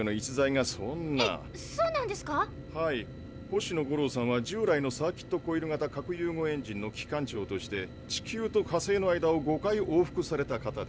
星野ゴローさんは従来のサーキット・コイル型核融合エンジンの機関長として地球と火星の間を５回往復された方です。